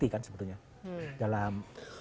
kan sebetulnya dalam